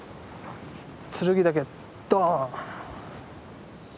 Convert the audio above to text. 剱岳ドーン！